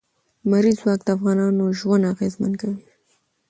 لمریز ځواک د افغانانو ژوند اغېزمن کوي.